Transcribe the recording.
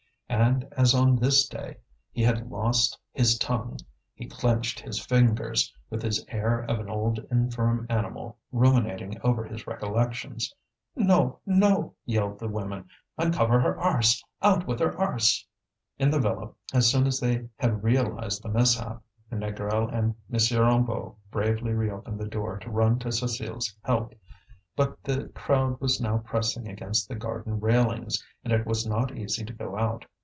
And as on this day he had lost his tongue, he clenched his fingers, with his air of an old infirm animal ruminating over his recollections. "No! no!" yelled the women. "Uncover her arse! out with her arse!" In the villa, as soon as they had realized the mishap, Négrel and M. Hennebeau bravely reopened the door to run to Cécile's help. But the crowd was now pressing against the garden railings, and it was not easy to go out.